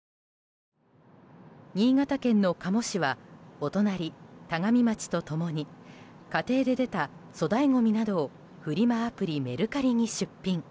新潟県の加茂市はお隣、田上町と共に家庭で出た粗大ごみなどをフリマアプリメルカリに出品。